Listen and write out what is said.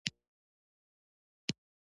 • واده د خوښۍ یو مهم راز دی.